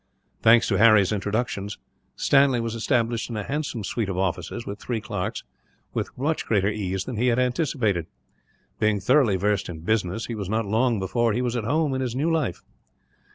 Thanks to Harry's introductions, Stanley was established in a handsome suite of offices, with three clerks, with much greater ease than he had anticipated. Being thoroughly versed in business, he was not long before he was at home in his new life.